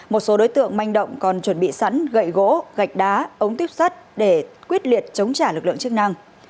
một số đối tượng manh động còn chuẩn bị sẵn gậy gỗ gạch đá ống tuyếp sắt để quyết liệt chống trả lực lượng chức năng